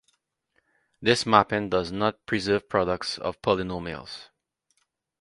This mapping does not preserve products of polynomials.